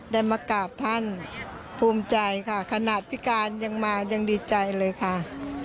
ได้มากราบท่านภูมิใจค่ะขนาดพิการยังมายังดีใจเลยค่ะ